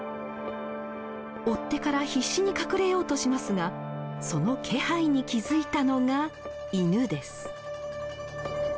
追っ手から必死に隠れようとしますがその気配に気付いたのが犬です。